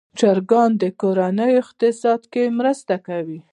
چرګان د کورنۍ اقتصاد کې مرسته کوي.